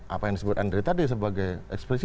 apa yang disebut andre tadi sebagai ekspresi